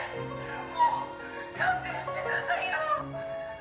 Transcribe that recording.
もう勘弁してくださいよ！